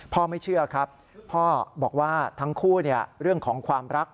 ไม่เชื่อครับพ่อบอกว่าทั้งคู่เรื่องของความรัก